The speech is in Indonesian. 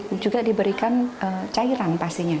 dan juga diberikan cairan pastinya